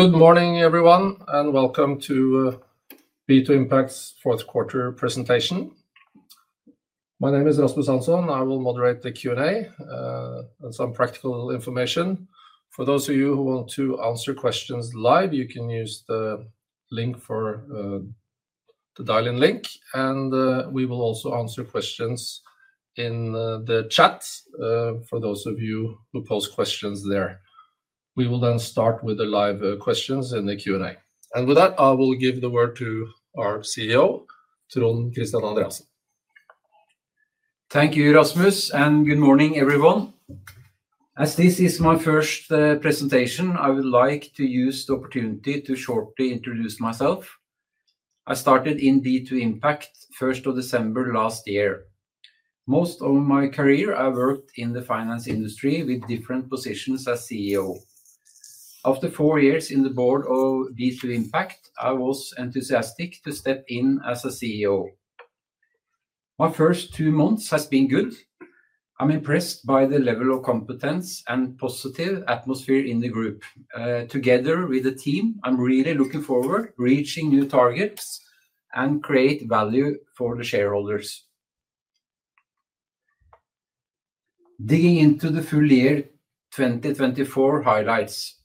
Good morning everyone and welcome to B2 Impact's fourth quarter presentation. My name is Rasmus Hansson. I will moderate the Q&A and some practical information for those of you who want to answer questions live. You can use the link for the dial in link and we will also answer questions in the chat. For those of you who pose questions there. We will then start with the live questions in the Q&A and with that I will give the word to our CEO Trond Kristian Andreassen. Thank you Rasmus and good morning everyone. As this is my first presentation, I would like to use the opportunity to shortly introduce myself. I started in B2 Impact first of December last year. Most of my career I worked in the finance industry with different positions as CEO. After four years in the Board of B2 Impact, I was enthusiastic to step in as a CEO. My first two months has been good. I'm impressed by the level of competence and positive atmosphere in the group. Together with the team, I'm really looking forward reaching new targets and create value for the shareholders. Digging into the full year 2024 highlights,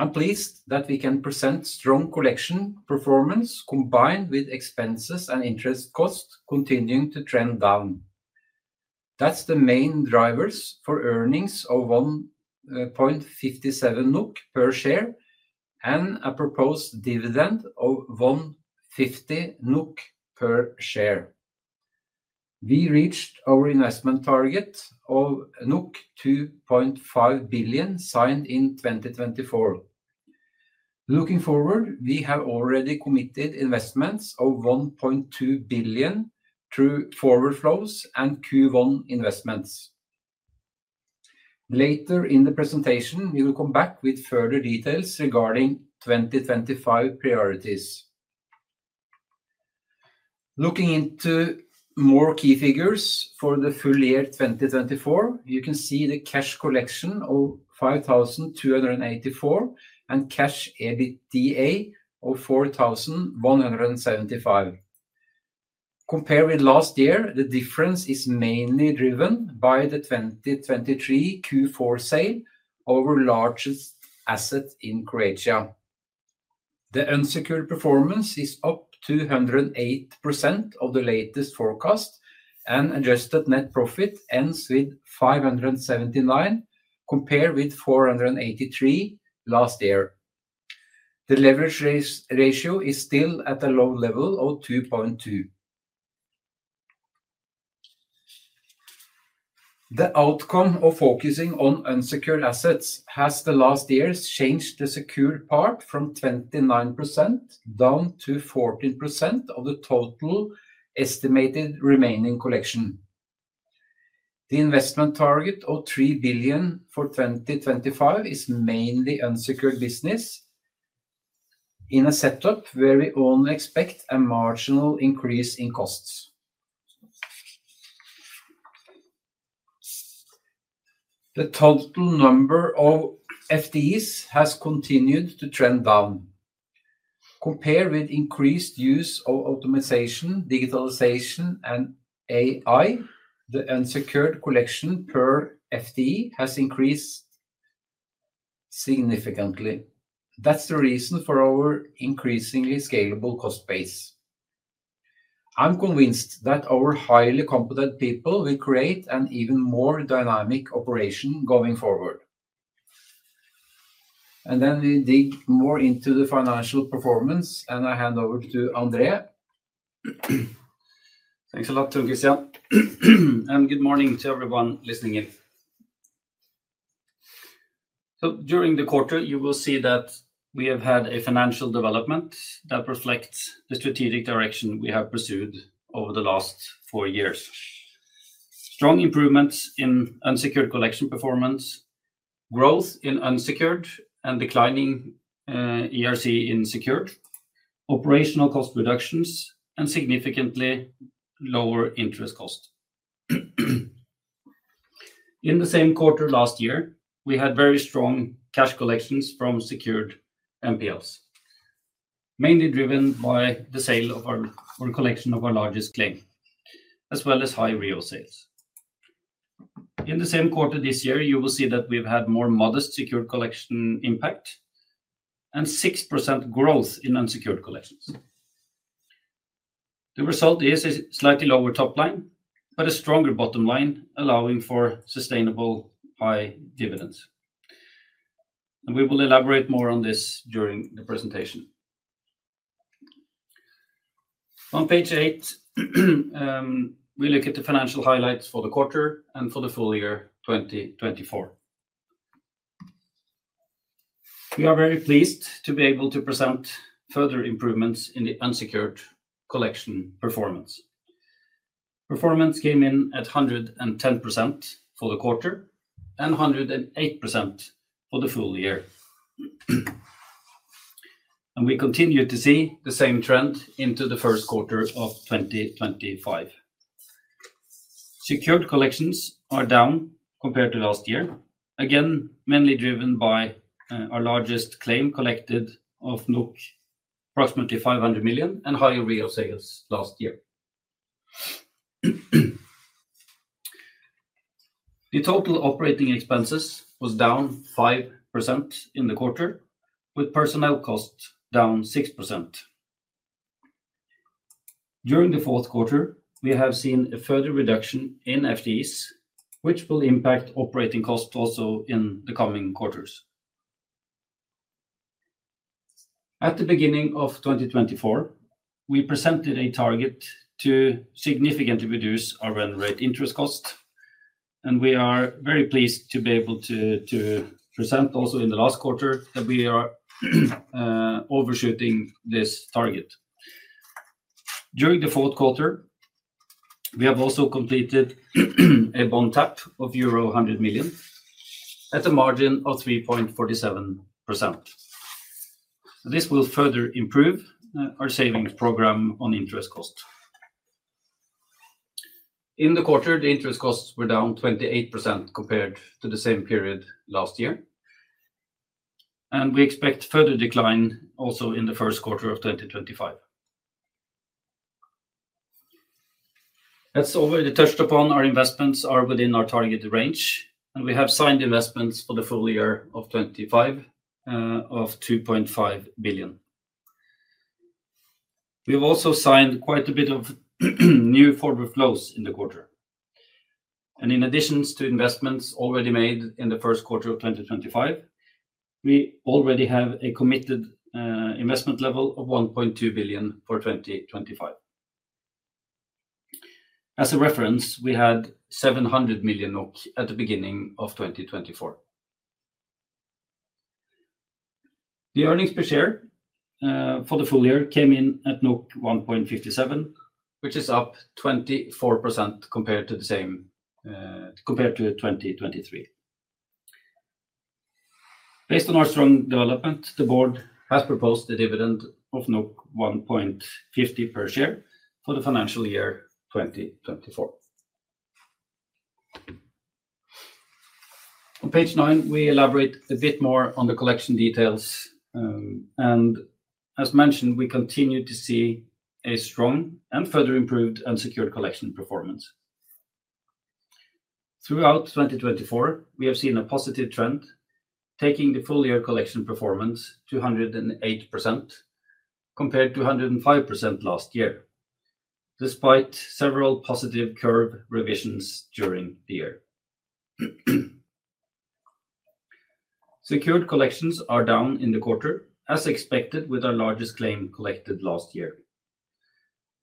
I'm pleased that we can present strong collection performance combined with expenses and interest costs continuing to trend down. That's the main drivers for earnings of 1.57 NOK per share and a proposed dividend of 1.50 NOK per share. We reached our investment target of 2.5 billion signed in 2024. Looking forward, we have already committed investments of 1.2 billion through forward flows and Q1 investments. Later in the presentation we will come back with further details regarding 2025 priorities. Looking into more key figures for the full year 2024, you can see the cash collection of 5,284 and cash EBITDA of 4,175 compared with last year. The difference is mainly driven by the 2023 Q4 sale, our largest asset in Croatia. The unsecured performance is up 208% of the latest forecast and adjusted net profit ends with 579 compared with 483 last year. The leverage ratio is still at a low level of 2.2. The outcome of focusing on unsecured assets has the last years changed the secured part from 29% down to 14% of the total estimated remaining collections. The investment target of 3 billion for 2025 is mainly unsecured business. In a setup where we only expect a marginal increase in costs. The total number of FTEs has continued to trend down compared with increased use of optimization, digitalization and AI. The unsecured collection per FTE has increased. Significantly. That's the reason for our increasingly scalable cost base. I'm convinced that our highly competent people will create an even more dynamic operation going forward. We dig more into the financial performance and I hand over to André. Thanks a lot, Trond Kristian, and good morning to everyone listening in. During the quarter you will see that we have had a financial development that reflects the strategic direction we have pursued over the last four years. Strong improvements in unsecured collection performance, growth in unsecured and declining ERC in secured operational cost reductions and significantly lower interest cost. In the same quarter last year we had very strong cash collections from secured NPLs, mainly driven by the sale of our collection of our largest claim as well as high REO sales. In the same quarter this year you will see that we've had more modest secured collection impact and 6% growth in unsecured collections. The result is a slightly lower top line but a stronger bottom line allowing for sustainable high dividends and we will elaborate more on this during the presentation. On page eight. We look at the financial highlights for the quarter and for the full year 2024. We are very pleased to be able to present further improvements in the unsecured collection performance. Performance came in at 110% for the quarter and 108% for the full year. We continue to see the same trend into the first quarter of 2025. Secured collections are down compared to last year, again mainly driven by our largest claim collected of NOK approximately 500 million and higher REO sales last year. The total operating expenses was down 5% in the quarter, with personnel cost down 6%. During the fourth quarter we have seen a further reduction in FTEs which will impact operating cost also in the coming quarters. At the beginning of 2024 we presented a target to significantly reduce our run rate interest cost and we are very pleased to be able to present also in the last quarter that we are overshooting this target. During the fourth quarter we have also completed a bond tap of euro 100 million at a margin of 3.47%. This will further improve our savings program on interest cost. In the quarter, the interest costs were down 28% compared to the same period last year and we expect further decline also in the first quarter of 2025. That's already touched upon. Our investments are within our target range and we have signed investments for the full year of 2025 of 2.5 billion. We have also signed quite a bit of new forward flows in the quarter and in addition to investments already made in the first quarter of 2025, we already have a committed investment level of 1.2 billion for 2025. As a reference we had 700 million NOK at the beginning of 2024. The earnings per share for the full year came in at 1.57, which is up 24% compared to the same period in 2023. Based on our strong development, the Board proposed the dividend of 1.50 per share for the financial year 2024. On page nine we elaborate a bit more on the collection details and as mentioned we continue to see a strong and further improved unsecured collection performance. Throughout 2024 we have seen a positive trend taking the full year collection performance to 108% compared to 105% last year. Despite several positive curve revisions during the year. Secured collections are down in the quarter as expected with our largest claim collected last year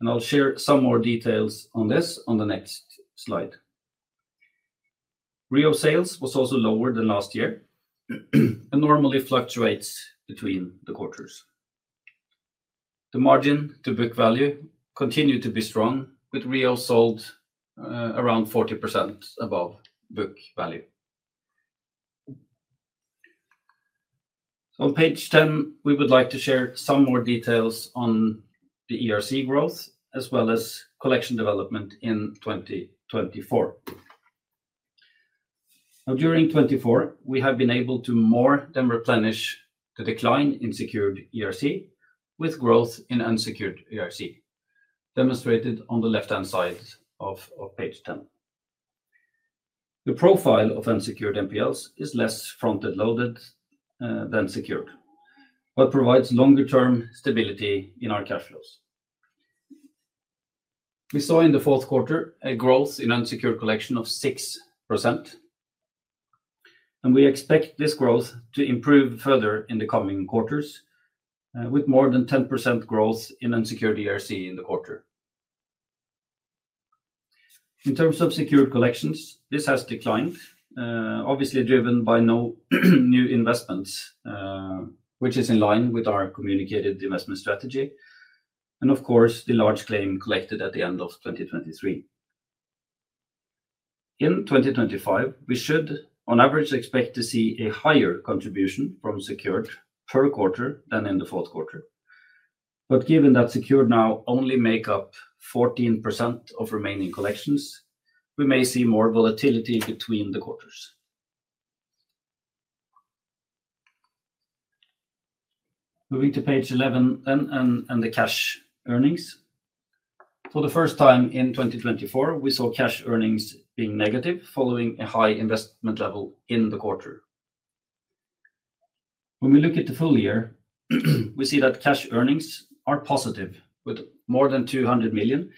and I'll share some more details on this on the next slide. REO sales was also lower than last year and normally fluctuates between the quarters. The margin to book value continued to be strong with REO sold around 40% above book value. On page 10 we would like to share some more details on the ERC growth as well as collection development in 2024. During 2024 we have been able to more than replenish the decline in secured ERC with growth in unsecured ERC demonstrated on the left hand side of page 10. The profile of unsecured NPLs is less front-end loaded than secured but provides longer-term stability in our cash flows. We saw in the fourth quarter a growth in unsecured collection of 6%. We expect this growth to improve further in the coming quarters with more than 10% growth in unsecured ERC in the quarter. In terms of secured collections, this has declined, obviously driven by no new investments, which is in line with our communicated investment strategy and of course the large claim collected at the end of 2023. In 2025 we should on average expect to see a higher contribution from secured per quarter than in the fourth quarter, but given that secured now only make up 14% of remaining collections, we may see more volatility between the quarters. Moving to page 11 and the cash earnings, for the first time in 2024 we saw cash earnings being negative following a high investment level in the quarter. When we look at the full year, we see that cash earnings are positive with more than 200 million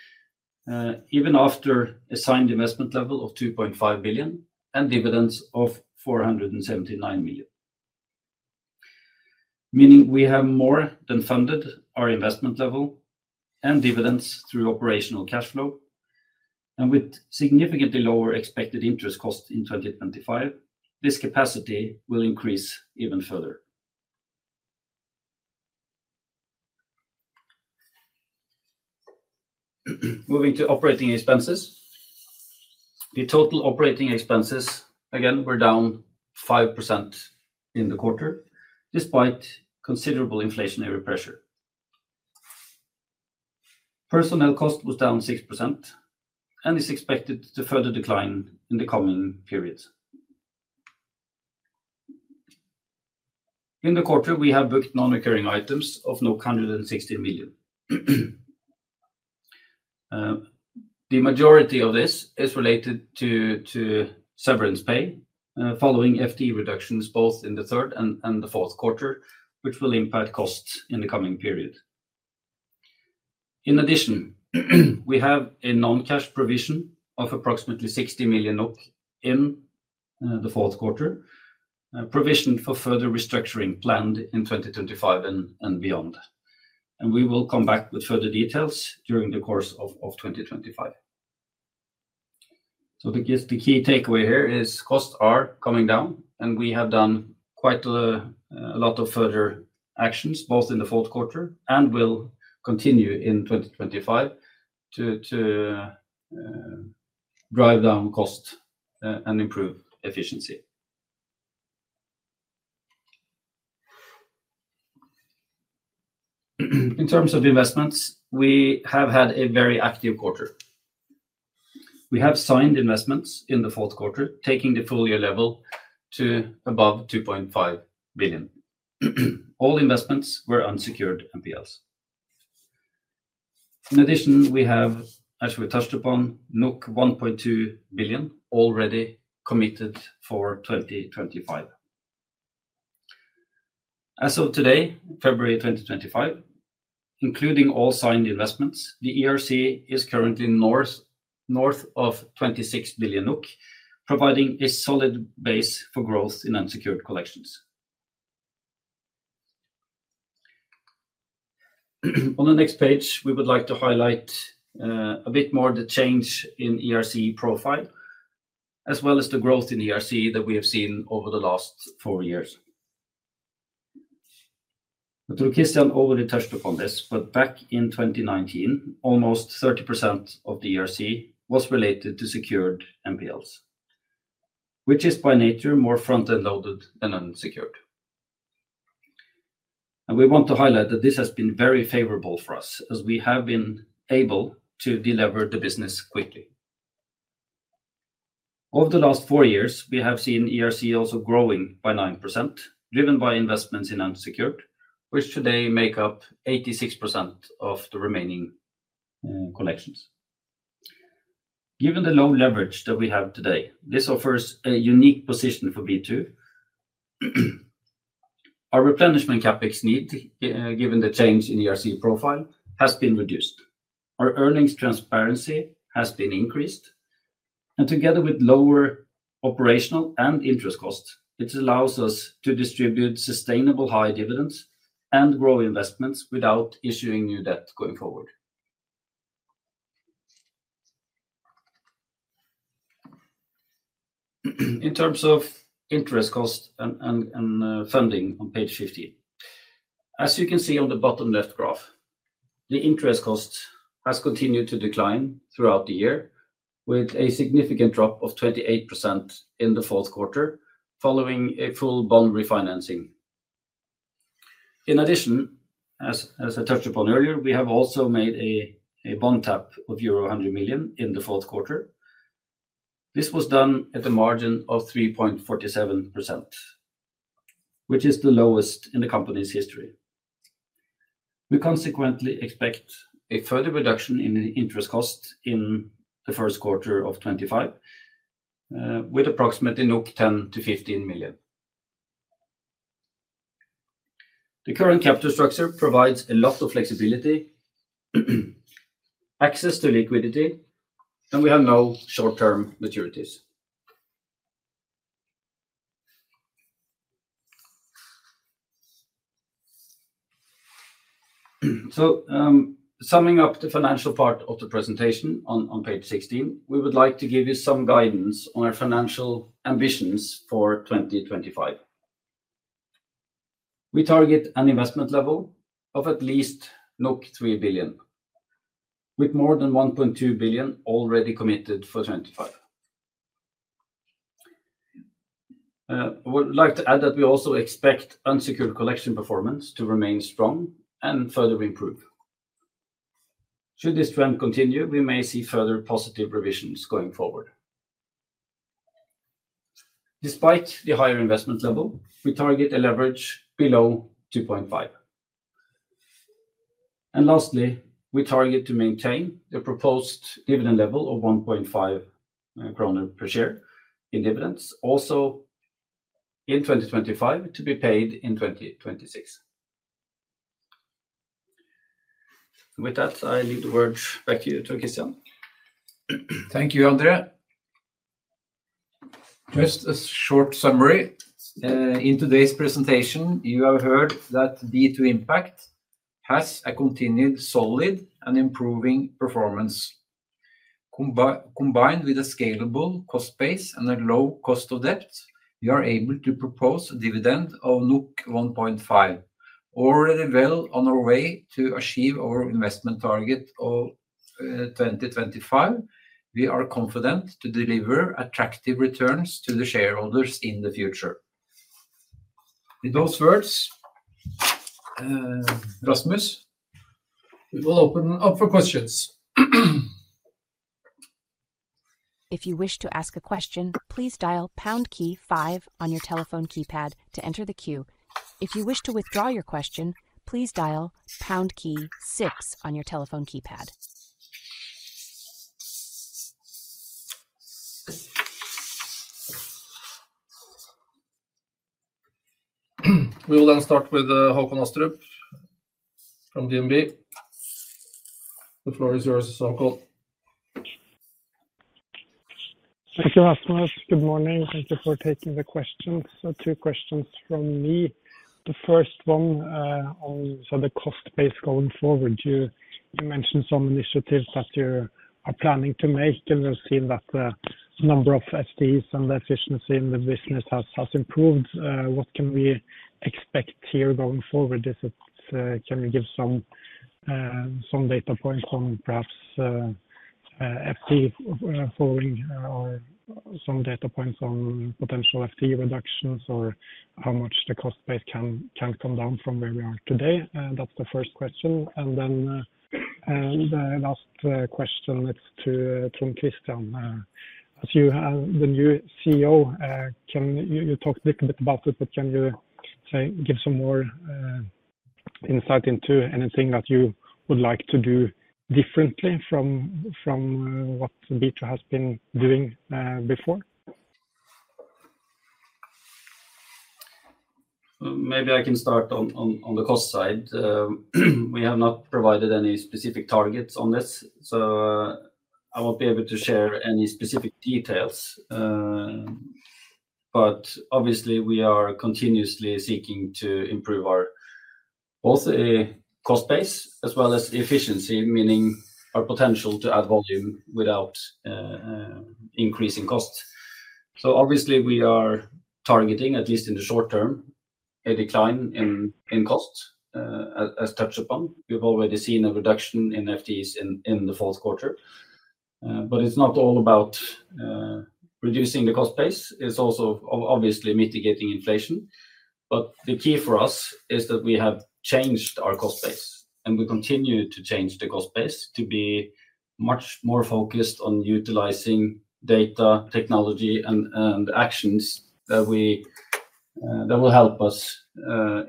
even after assumed investment level of 2.5 billion and dividends of 479 million. Meaning we have more than funded our investment level and dividends through operational cash flow and with significantly lower expected interest cost. In 2025 this capacity will increase even further. Moving to operating expenses, the total operating expenses again were down 5% in the quarter despite considerable inflationary pressure. Personnel cost was down 6% and is expected to further decline in the coming period. In the quarter we have booked non-recurring items of 116 million. The majority of this is related to severance pay following FTE reductions both in the third and the fourth quarter which will impact costs in the coming period. In addition, we have a non-cash provision of approximately 60 million NOK in the fourth quarter, provisioned for further restructuring planned in 2025 and beyond and we will come back with further details during the course of 2025. So the key takeaway here is costs are coming down and we have done quite a lot of further actions both in the fourth quarter and will continue in 2025 to. Drive down cost and improve efficiency. In terms of investments, we have had a very active quarter. We have signed investments in the fourth quarter taking the full year level to above 2.5 billion. All investments were unsecured NPLs. In addition we have as we touched upon 1.2 billion already committed for 2025. As of today February 2025 including all signed investments. The ERC is currently north of 26 billion NOK providing a solid base for growth in unsecured collections. On the next page we would like to highlight a bit more the change in ERC profile as well as the growth in ERC that we have seen over the last four years. Trond Kristian already touched upon this, but back in 2019 almost 30% of the ERC was related to secured NPLs which is by nature more front-end loaded than unsecured. We want to highlight that this has been very favorable for us as we have been able to deliver the business quickly. Over the last four years we have seen ERC also growing by 9% driven by investments in unsecured which today make up 86% of the remaining collections. Given the low leverage that we have today, this offers a unique position for B2 Impact. Our replenishment CapEx need, given the change in ERC profile, has been reduced. Our earnings transparency has been increased, and together with lower operational and interest costs, it allows us to distribute sustainable high dividends and grow investments without issuing new debt going forward. In terms of interest cost and funding. On page 15 as you can see on the bottom left graph the interest cost has continued to decline throughout the year with a significant drop of 28% in the fourth quarter following a full bond refinancing. In addition, as I touched upon earlier, we have also made a bond tap of euro 100 million in the fourth quarter. This was done at the margin of 3.47%, which is the lowest in the company's history. We consequently expect a further reduction in interest costs in 1Q25 with approximately NOK 10-15 million. The current capital structure provides a lot of flexibility. Access to liquidity and we have no short term maturities. Summing up the financial part of the presentation on page 16, we would like to give you some guidance on our financial ambitions for 2025. We target an investment level of at least 3 billion, with more than 1.2 billion already committed for 2025. I would like to add that we also expect unsecured collection performance to remain strong and further improve. Should this trend continue, we may see further positive revisions going forward. Despite the higher investment level, we target a leverage below 2.5. Lastly, we target to maintain the proposed dividend level of 1.5 kroner per share in dividends also in 2025, to be paid in 2026. With that, I leave the word back to you to Trond Kristian. Thank you, André. Just a short summary. In today's presentation you have heard that B2 Impact has a continued solid and. Improving performance. Combined with a scalable cost base and a low cost of debt. We are able to propose a dividend of 1.5. Already well on our way to achieve our investment target of 2025. We are confident to deliver attractive returns to the shareholders in the future. With those words. Rasmus, we will open up for questions. If you wish to ask a question, please dial key five on your telephone keypad to enter the queue. If you wish to withdraw your question, please dial six on your telephone keypad. We will then start with Håkon Astrup from DNB Markets. The floor is yours. Thank you. Rasmus, good morning. Thank you for taking the questions. Two questions from me. The first one on the cost base going forward. You mentioned some initiatives that you are planning to make and you've seen that the number of FTEs and the efficiency in the business has improved. What can we expect here going forward? Can you give some data points on perhaps FTE following or some data points on potential FTE reductions or how much the cost base can come down from where we are today? That's the first question and then last question. Trond Kristian, as you are the new CEO, you talked a little bit about it, but can you give some more insight into anything that you would like to do differently from what B2 Impact has been doing before? Maybe I can start on the cost side. We have not provided any specific targets on this, so I won't be able to share any specific details. Obviously we are continuously seeking to improve both our cost base as well as efficiency, meaning our potential to add volume without increasing cost. Obviously we are targeting, at least in the short term, a decline in costs. As touched upon, we've already seen a reduction in FTEs in the fourth quarter. It's not all about reducing the cost base. It's also obviously mitigating inflation. The key for us is that we have changed our cost base and we continue to change the cost base to be much more focused on utilizing data, technology, and actions that will help us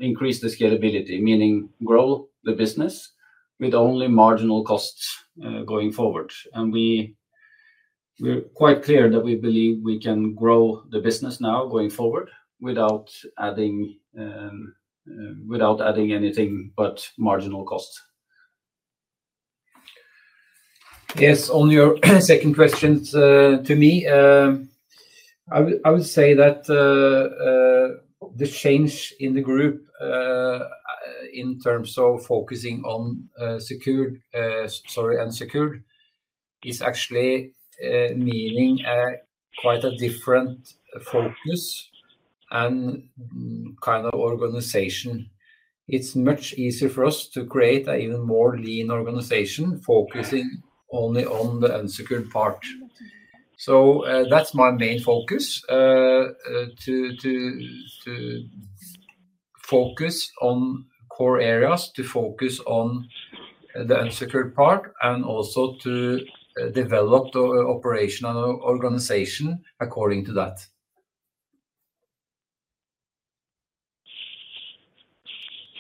increase the scalability, meaning grow the business with only marginal costs going forward. We're quite clear that we believe we can grow the business now going forward without adding. Without adding anything but marginal cost. Yes. On your second question to me. I would say that. The change in the group. In terms of focusing on secured, sorry, unsecured is actually meaning quite a different focus and kind of organization. It's much easier for us to create an even more lean organization focusing only on the unsecured part. So that's my main focus, to focus on core areas, to focus on the unsecured part and also to develop the operational organization according to that.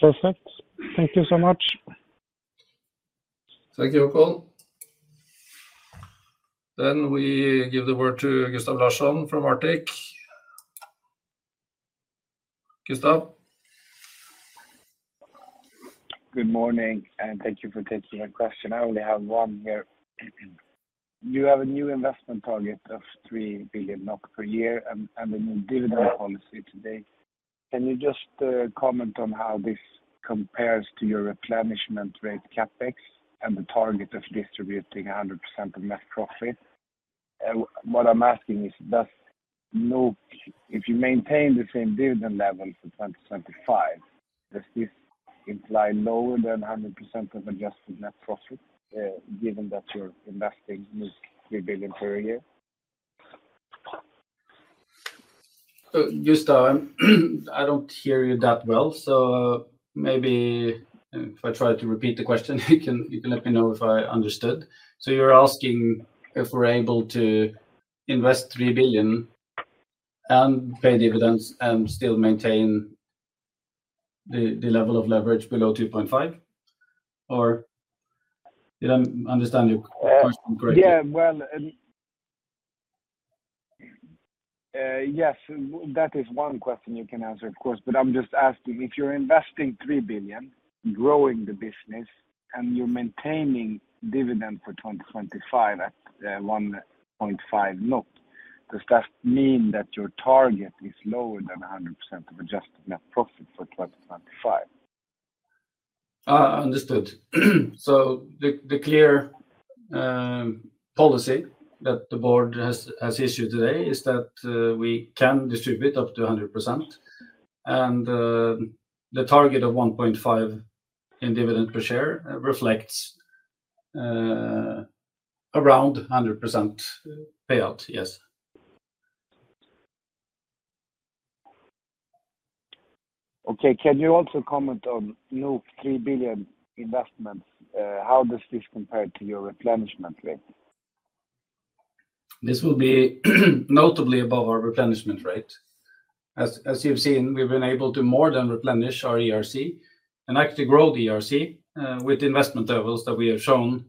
Perfect. Thank you so much. Thank you. We give the word to Gustav Larsson from Arctic.Gustav. Good morning and thank you for taking my question. I only have one here. You have a new investment target of 3 billion NOK per year and a new dividend policy today. Can you just comment on how this compares to your replenishment rate CapEx and the target of distributing 100% of net profit? What I'm asking is, does, look, if you maintain the same dividend level for 2025, does this imply lower than 100% of adjusted net profit given that you're investing 3 billion per year? Gustav, I don't hear you that well, so maybe if I try to repeat the question, you can let me know if I understood. You're asking if we're able to invest 3 billion and pay dividends and still maintain the level of leverage below 2.5 or did I understand your question correctly? Yeah, well. Yes, that is one question you can answer, of course. I am just asking, if you are investing 3 billion, growing the business, and you are maintaining dividend for 2025 at 1.5. Does that mean that your target is lower than 100% of adjusted net profit for 2025? Understood. The clear. Policy that the board has issued today is that we can distribute up to 100% and the target of 1.5 in dividend per share reflects. Around 100% payout. Yes. Okay. Can you also comment on new 3 billion investments? How does this compare to your replenishment rate? This will be notably above our replenishment rate. As you've seen, we've been able to more than replenish our ERC and actually grow the ERC with investment levels that we have shown.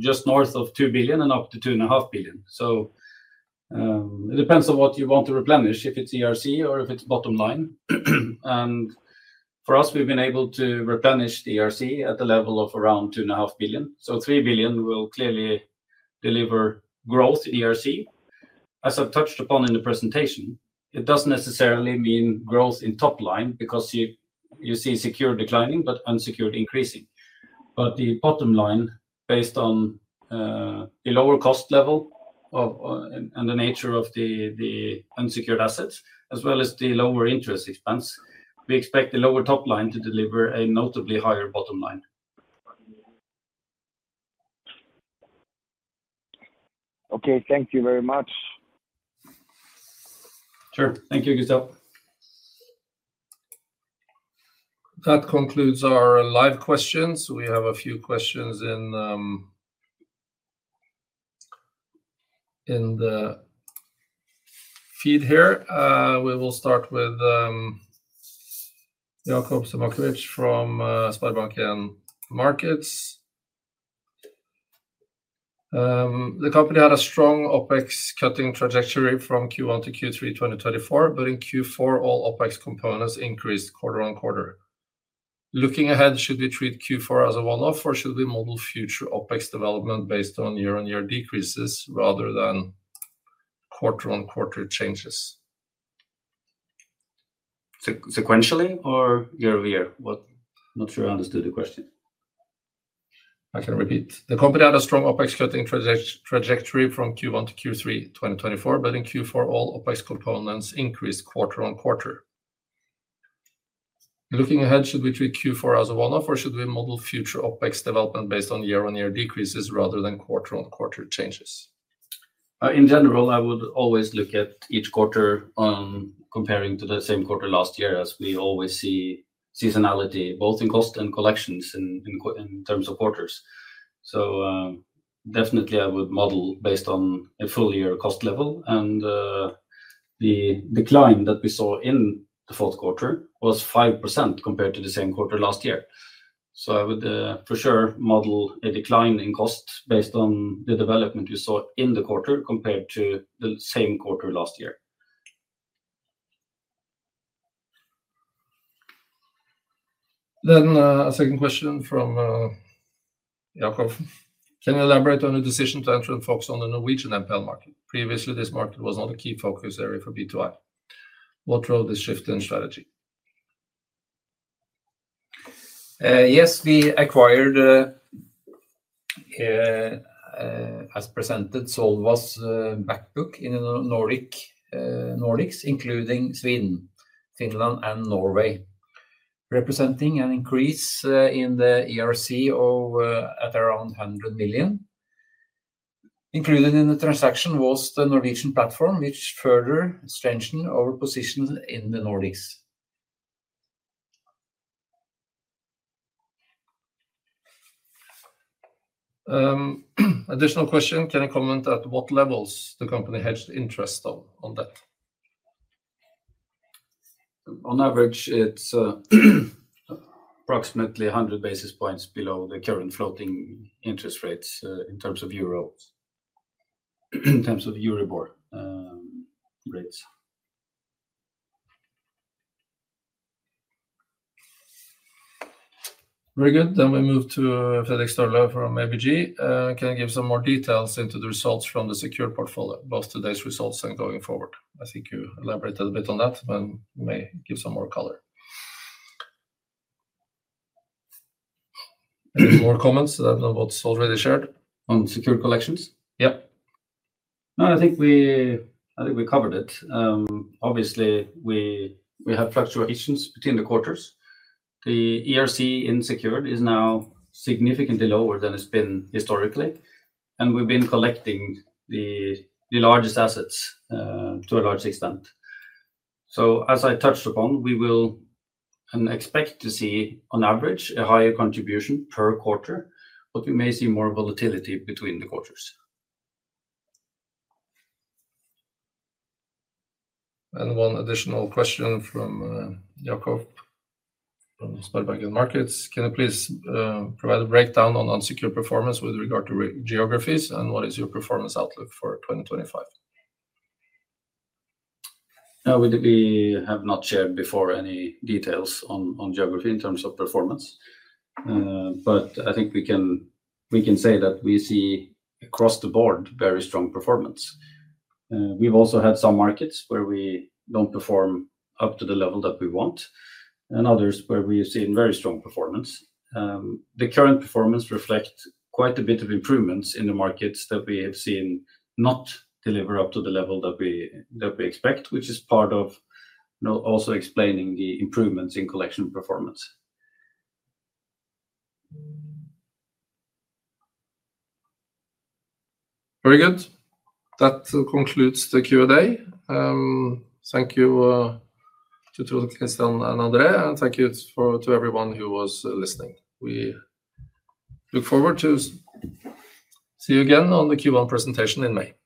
Just north of 2 billion and up to 2.5 billion. It depends on what you want to replenish, if it's ERC or if it's bottom line. For us, we've been able to replenish the ERC at the level of around 2.5 billion. 3 billion will clearly deliver growth in ERC. As I have touched upon in the presentation, it does not necessarily mean growth in top line because you see secured declining but unsecured increasing. The bottom line, based on the lower cost level and the nature of the unsecured assets, as well as the lower interest expense, we expect the lower top line to deliver a notably higher bottom line. Okay, thank you very much. Sure. Thank you, Gustav. That concludes our live questions. We have a few questions in, in the feed here. We will start with, Jakov Semaskevic from SpareBank 1 Markets. The company had a strong OpEx cutting trajectory from Q1 to Q3 2024. In Q4, all OpEx components increased quarter on quarter. Looking ahead, should we treat Q4 as a one off? Should we model future OpEx development based on year on year decreases rather than quarter on quarter changes? Sequentially or year-over-year? What? Not sure I understood the question. I can repeat. The company had a strong OpEx cutting trajectory from Q1 to Q3 2024. In Q4, all OpEx components increased quarter-on-quarter. Looking ahead, should we treat Q4 as a one off? Or should we model future OpEx development based on year on year decreases rather than quarter-on-quarter changes? In general, I would always look at each quarter comparing to the same quarter last year. As we always see seasonality both in cost and collections in terms of quarters. I would model based on a full year cost level and the decline that we saw in the fourth quarter was 5% compared to the same quarter last year. I would for sure model a decline in cost based on the development we saw in the quarter compared to the same quarter last year. A second question from [inaudible] can you elaborate on a decision to enter and focus on the Norwegian NPL market. Previously this market was not a key focus area for B2 Impact. What role this shift in strategy? Yes, we acquired, as presented, Svea's back book in the Nordics, including Sweden, Finland, and Norway, representing an increase in the ERC at around 100 million. Included in the transaction was the Norwegian platform which further strengthened our position in the Nordics. Additional question, can you comment at what levels the company hedged interest on that? On average it's approximately 100 basis points below the current floating interest rates in terms of euros, in terms of Euribor rates. Very good. We move to Jan Erik Gjerland from ABG. Can I get some more details into the results from the secured portfolio, both today's results and going forward? I think you elaborated a bit on that. You may give some more color. More comments than what's already shared on secured collections? Yeah, no, I think we, I think we covered it. Obviously, we have fluctuations between the quarters. The ERC in secured is now significantly lower than it's been historically, and we've been collecting the largest assets to a large extent. As I touched upon, we will expect to see on average a higher contribution per quarter, but we may see more volatility between the quarters. One additional question from Jakov from SpareBank 1 Markets, can you please provide a breakdown on unsecured performance with regard to geographies and what is your performance outlook for 2025? We have not shared before any details on geography in terms of performance, but I think we can say that we see across the board very strong performance. We've also had some markets where we don't perform up to the level that we want and others where we see very strong performance. The current performance reflects quite a bit of improvements in the markets that we have seen not deliver up to the level that we expect, which is part of also explaining the improvements in collection performance. Very good. That concludes the Q&A. Thank you to and thank you to everyone who was listening. We look forward to see you again on the Q1 presentation in May.